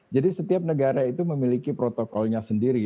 jadi setiap negara itu memiliki protokolnya sendiri